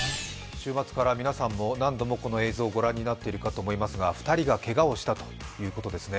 週末から皆さんも何度もこの映像をご覧になっていると思いますが、２人がけがをしたということですね